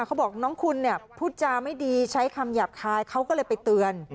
เขาบอกน้องคุณเนี่ยพูดจาไม่ดีใช้คำหยาบคายเขาก็เลยไปเตือน